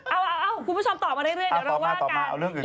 เอาคุณผู้ชมตอบมาเรื่อยเดี๋ยวเราว่ากัน